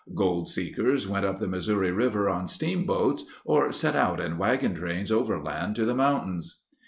Gold seekers went up the Missouri River on steamboats or set out in wagon trains overland to the mountains.